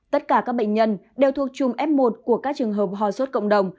tất cả các bệnh nhân đều thuộc chùm f một của các trường hợp hòa xuất cộng đồng